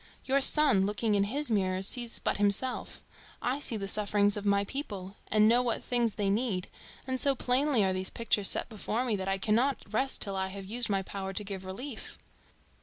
Your son, looking in his mirror, sees but himself; I see the sufferings of my people and know what things they need, and so plainly are these pictures set before me that I cannot rest till I have used my power to give relief."